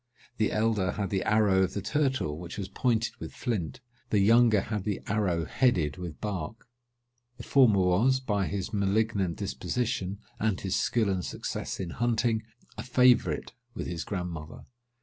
The elder had the arrow of the turtle which was pointed with flint; the younger had the arrow headed with bark. The former was, by his malignant disposition, and his skill and success in hunting, a favourite with his grandmother.